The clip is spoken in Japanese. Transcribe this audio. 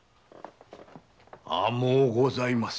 甘うございます。